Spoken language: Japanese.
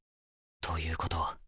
ということは。